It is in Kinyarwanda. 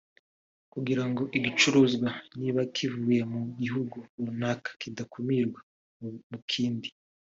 kugira ngo igicuruzwa niba kivuye mu gihugu runaka kidakumirwa mu kindi